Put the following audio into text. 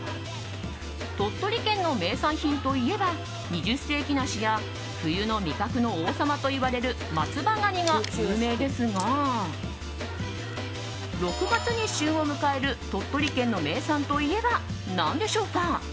鳥取県の名産品といえば二十世紀梨や冬の味覚の王様といわれる松葉ガニが有名ですが６月に旬を迎える鳥取県の名産といえば何でしょうか？